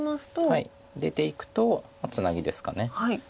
出ていくとツナギですか。